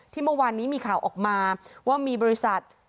เมื่อวานนี้มีข่าวออกมาว่ามีบริษัท